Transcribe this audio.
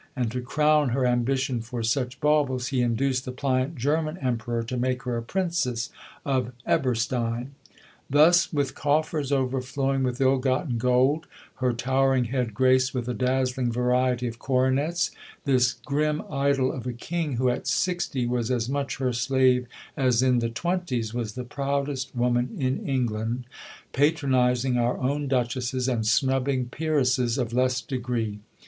And, to crown her ambition for such baubles, he induced the pliant German Emperor to make her a Princess of Eberstein. Thus, with coffers overflowing with ill gotten gold, her towering head graced with a dazzling variety of coronets, this grim idol of a King, who at sixty was as much her slave as in the twenties, was the proudest woman in England, patronising our own Duchesses, and snubbing Peeresses of less degree.